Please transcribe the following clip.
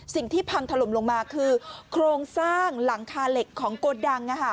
สิ่งที่พังถล่มลงมาคือโครงสร้างหลังคาเหล็กของโกดัง